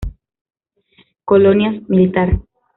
Colonias: Militar.